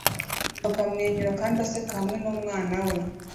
Papa amwenyura kandi aseka hamwe numwana we